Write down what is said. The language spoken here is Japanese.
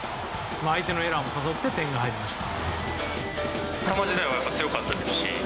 相手のエラーも誘って点が入りました。